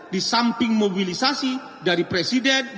di samping mobilisasi dari presiden